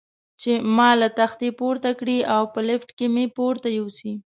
چې ما له تختې پورته کړي او په لفټ کې مې پورته یوسي.